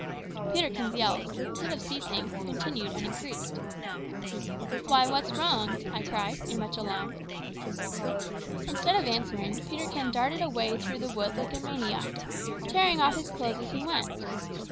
Peterkin's yells, instead of ceasing, continued and increased. "Why, what's wrong?" I cried, in much alarm. Instead of answering, Peterkin darted away through the wood like a maniac, tearing off his clothes as he went.